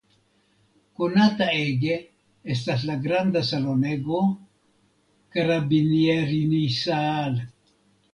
Konata ege estas la granda salonego "Carabinierisaal".